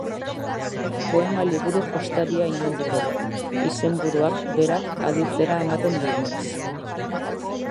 Poema liburu jostaria inondik ere, izenburuak berak aditzera ematen digunez.